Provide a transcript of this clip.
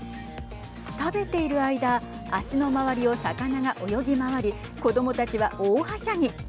食べている間足の周りを魚が泳ぎ回り子どもたちは、大はしゃぎ。